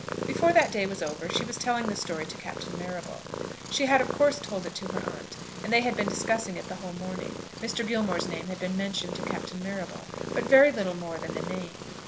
Before that day was over she was telling the story to Captain Marrable. She had of course told it to her aunt, and they had been discussing it the whole morning. Mr. Gilmore's name had been mentioned to Captain Marrable, but very little more than the name.